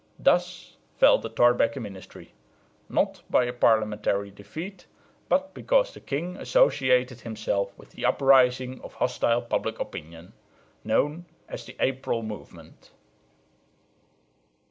Thus fell the Thorbecke ministry, not by a parliamentary defeat, but because the king associated himself with the uprising of hostile public opinion, known as the "April Movement."